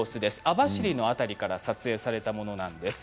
網走の辺りから撮影されたものなんです。